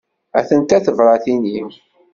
Atent-a tebratin-im.